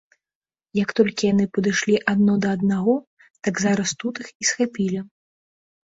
Як толькі яны падышлі адно да аднаго, так зараз тут іх і схапілі.